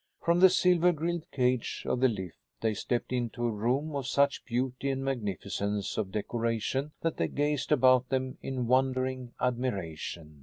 From the silver grilled cage of the lift they stepped into a room of such beauty and magnificence of decoration that they gazed about them in wondering admiration.